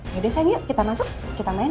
yaudah sayang yuk kita masuk kita main